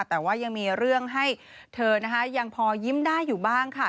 แต่ว่ายังมีเรื่องให้เธอนะคะยังพอยิ้มได้อยู่บ้างค่ะ